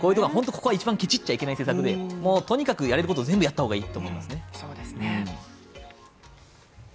ここは一番切っちゃいけない政策で、もうとにかくやれること全部やった方がいいと思いますね。